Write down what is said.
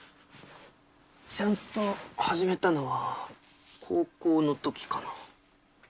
ちゃんと始めたのは高校のときかな。